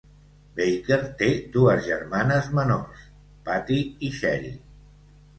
Baker té dues germanes menors, Patti i Sheri.